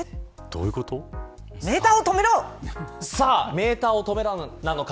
メーターを止めろなのか。